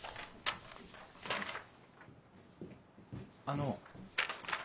あの。